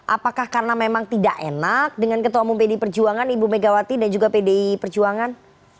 apakah karena memang tidak enak dengan ketua umum pdi perjuangan ibu megawati dan juga pdi perjuangan